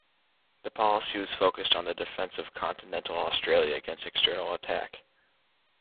The policy was focused on the defence of continental Australia against external attack.